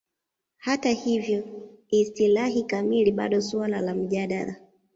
Hata hivyo, istilahi kamili bado suala la mjadala.